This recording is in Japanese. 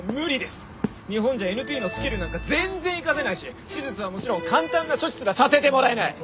日本じゃＮＰのスキルなんか全然生かせないし手術はもちろん簡単な処置すらさせてもらえない！